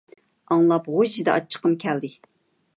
ئاڭلاپ غۇژژىدە ئاچچىقىم كەلدى.